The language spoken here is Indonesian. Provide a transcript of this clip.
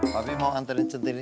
papi mau anterin centini